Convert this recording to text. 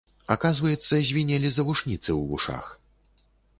Аказваецца, звінелі завушніцы ў вушах!